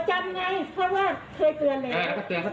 จำไงเพราะว่าเคยเตือนแล้ว